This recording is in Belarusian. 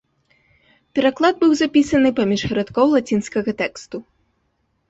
Пераклад быў запісаны паміж радкоў лацінскага тэксту.